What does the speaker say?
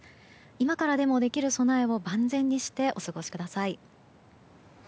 今からでもできる備えを万全にしてお過ごしください。